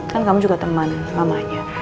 kan kamu juga teman mamanya